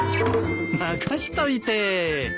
任しといて！